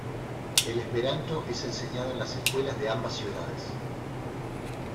El Esperanto es enseñado en las escuelas de ambas ciudades.